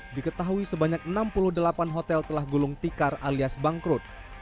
diketahui sebanyak enam puluh delapan hotel telah gulung tikar alias bangkrut